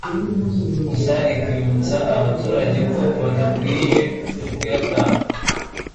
gusa akibutsa abaturage ko badakwiye kuyatanga